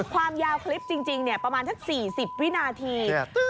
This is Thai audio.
ความยาวคลิปจริงประมาณสัก๔๐วินาที